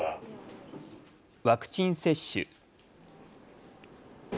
ワクチン接種。